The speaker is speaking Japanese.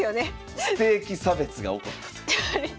ステーキ差別が起こったという。